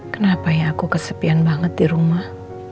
kenapa ya aku kesepian banget di rumah